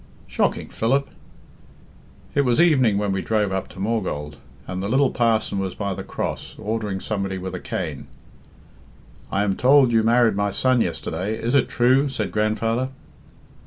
"Shocking, Philip. It was evening when we drove up to Maughold, and the little parson was by the Cross, ordering somebody with a cane. 'I am told you married my son yesterday; is it true?' said grandfather.